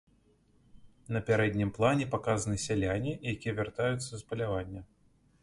На пярэднім плане паказаны сяляне, якія вяртаюцца з палявання.